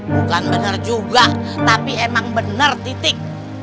bukan bener juga tapi emang bener titik